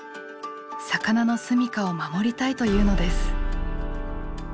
魚の住みかを守りたいというのです。